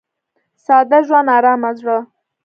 • ساده ژوند، ارامه زړه.